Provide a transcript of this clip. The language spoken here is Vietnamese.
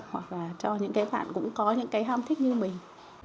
hoặc là cho những cái bạn cũng có những cái ham thích như mình